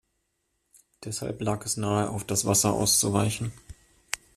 Deshalb lag es nahe, auf das Wasser auszuweichen.